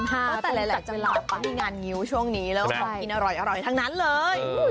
แต่หลายเวลาเขามีงานงิ้วช่วงนี้แล้วของกินอร่อยทั้งนั้นเลย